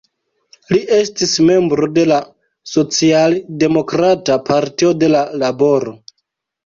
Li estis membro de la socialdemokrata Partio de la Laboro.